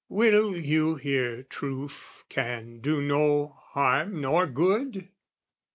Will you hear truth can do no harm nor good?